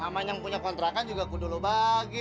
sama yang punya kontrakan juga kudu lo bagi